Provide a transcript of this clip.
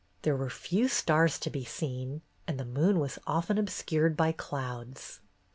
There were few stars to be seen, and the moon was often obscured by clouds.